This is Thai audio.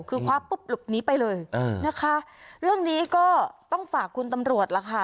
คือคว้าปุ๊บหลบหนีไปเลยนะคะเรื่องนี้ก็ต้องฝากคุณตำรวจล่ะค่ะ